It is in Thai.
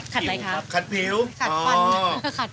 ขัดผิวครับ